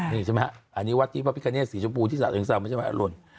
นี่ใช่ไหมฮะอันนี้วัดที่พระพิกาเนตสีชมพูที่ฉะเชิงเซาไม่ใช่พระอรุณ